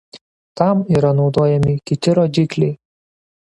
Tam yra naudojami kiti rodikliai.